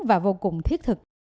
và vô cùng thiết thực